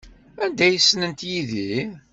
Anda ay ssnent Yidir?